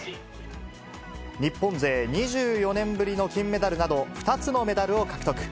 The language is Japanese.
日本勢２４年ぶりの金メダルなど、２つのメダルを獲得。